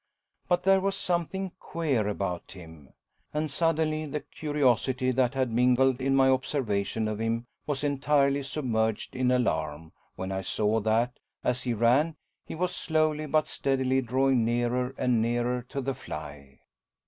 But there was something queer about him, and suddenly the curiosity that had mingled in my observation of him was entirely submerged in alarm, when I saw that, as he ran, he was slowly but steadily drawing nearer and nearer to the fly.